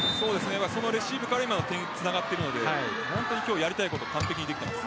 そのレシーブから今までにつながっているので今日、やりたいことを完璧にできています。